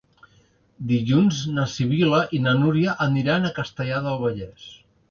Dilluns na Sibil·la i na Núria aniran a Castellar del Vallès.